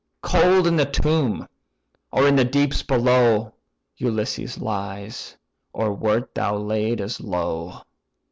Cold in the tomb, or in the deeps below, Ulysses lies; oh wert thou laid as low!